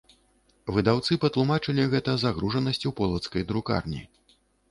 Выдаўцы патлумачылі гэта загружанасцю полацкай друкарні.